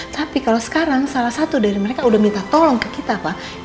tapi kalau sekarang salah satu dari mereka udah minta tolong ke kita pak